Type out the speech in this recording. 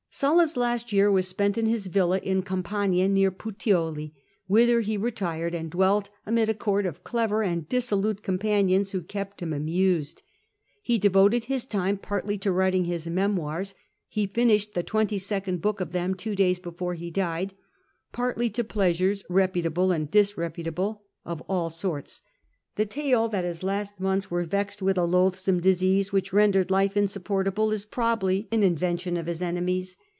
Sulla's last year was spent in his villa in Campania, near Puteoli, whither he retired and dwelt amid a court of clever and dissolute companions who kept him amused. He devoted his time partly to writing his memoirs — he finished the twenty second book of them two days before he died — partly to pleasures (reputable and disreputable) af all sorts. The tale that his last months were vexed DEATH OP SULLA i6i with a loathsome disease, which rendered life insupport able, is probably an invention of his enemies.